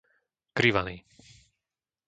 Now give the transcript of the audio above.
Krivany